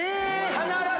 必ず。